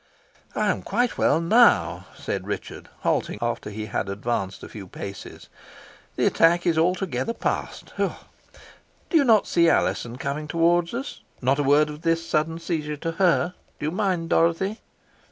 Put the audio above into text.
"I am quite well now," said Richard, halting after he had advanced a few paces, "The attack is altogether passed. Do you not see Alizon coming towards us? Not a word of this sudden seizure to her. Do you mind, Dorothy?"